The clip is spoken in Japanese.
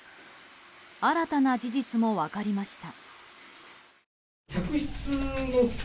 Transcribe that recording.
新たな事実も分かりました。